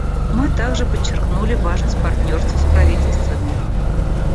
Мы также подчеркнули важность партнерства с правительствами.